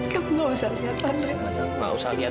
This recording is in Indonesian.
kamu gak usah liat